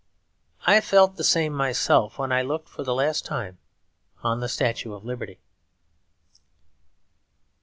I felt the same myself when I looked for the last time on the Statue of Liberty.